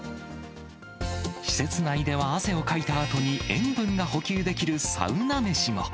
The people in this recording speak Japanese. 施設内では、汗をかいたあとに、塩分が補給できるサウナ飯も。